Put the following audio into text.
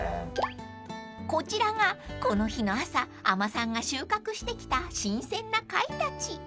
［こちらがこの日の朝海女さんが収穫してきた新鮮な貝たち］